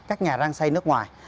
các nhà răng xây nước ngoài